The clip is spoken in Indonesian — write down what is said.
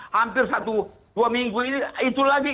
hampir satu dua minggu ini itu lagi